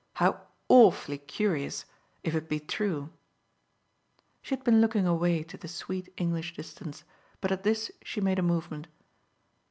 "How awfully curious if it be true!" She had been looking away to the sweet English distance, but at this she made a movement.